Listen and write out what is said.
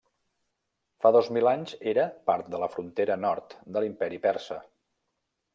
Fa dos mil anys era part de la frontera nord de l'Imperi persa.